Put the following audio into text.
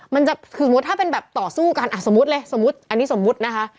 มันจะสมมุติถ้าเป็นแบบต่อสู้กันอ่ะสมมุติเลยสมมุติอันนี้สมมุตินะคะ